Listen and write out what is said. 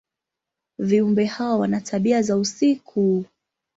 Viumbe hawa wana tabia za usiku.